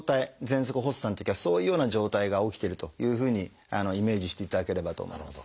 ぜんそく発作のときはそういうような状態が起きてるというふうにイメージしていただければと思います。